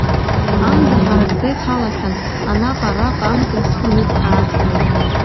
Амза ҳаракӡа ихалахьан, анаҟа-араҟа амцабзқәа ныҵҟьа-ааҵҟьон.